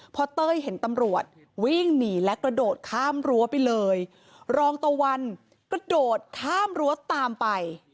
พอเต้ยเห็นตำรวจวิ่งหนีและกระโดดข้ามรั้วไปเลยรองตะวันกระโดดข้ามรั้วตามไป